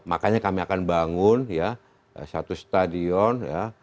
makanya kami akan bangun satu stadion